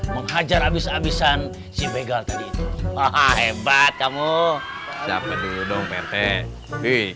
menghajar habis habisan si begal tadi hebat kamu siapa dulu dong prt